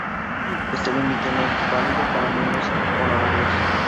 Este límite no es válido para miembros honorarios.